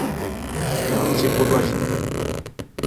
Měla tři podlaží.